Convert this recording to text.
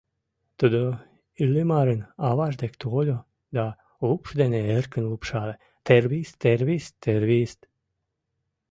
— Тудо Иллимарын аваж дек тольо да лупш дене эркын лупшале: «Тервист, тервист, тервист!».